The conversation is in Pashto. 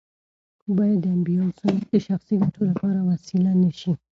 باید د انبیاوو سنت د شخصي ګټو لپاره وسیله نه شي.